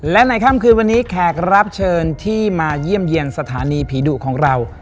และในค่ำคืนวันนี้แขกรับเชิญที่มาเยี่ยมเยี่ยมสถานีผีดุของเรา